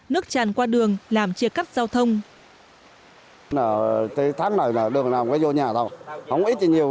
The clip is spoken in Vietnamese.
nước chàn qua đường làm chia cắt giao thông